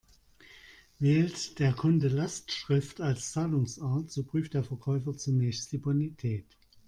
Wählt der Kunde Lastschrift als Zahlungsart, so prüft der Verkäufer zunächst die Bonität.